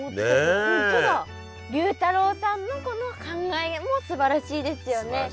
龍太郎さんのこの考えもすばらしいですよね。